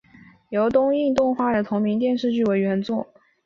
由东映动画的同名电视动画为原作。